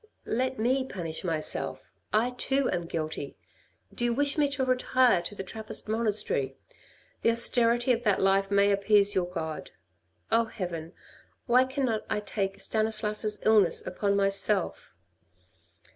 " Let me punish myself. I too am guilty. Do you wish me to retire to the Trappist Monastery ? The austerity of that life may appease your God. Oh, heaven, why cannot I take Stanislas's illness upon myself?